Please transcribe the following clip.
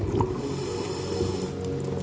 bagaimana cara menjelaskan kekuatan ikan tersebut